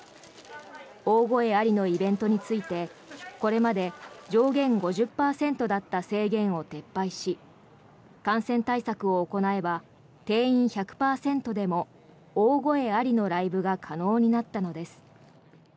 大声ありのイベントについてこれまで上限５０％だった制限を撤廃し感染対策を行えば定員１００％でも大声ありのライブが可能になったのです。